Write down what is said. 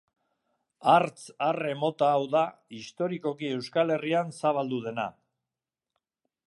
Hartz arre mota hau da historikoki Euskal Herrian zabaldu dena.